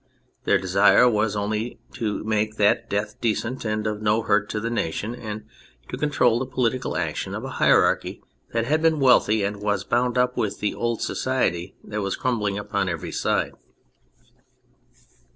Their desire was only to make that death decent and of no hurt to the nation, and to control the political action of a hierarchy that had been wealthy and was bound up w^ith the old society that was crumbling upon every side.